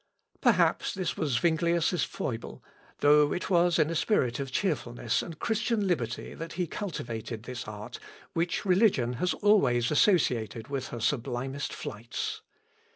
Perhaps this was Zuinglius' foible, though it was in a spirit of cheerfulness and Christian liberty that he cultivated this art, which religion has always associated with her sublimest flights.